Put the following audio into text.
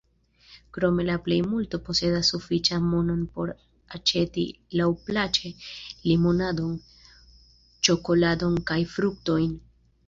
Krome la plej multo posedas sufiĉan monon por aĉeti laŭplaĉe limonadon, ĉokoladon kaj fruktojn.